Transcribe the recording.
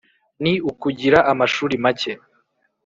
Ni ukugira amashuri make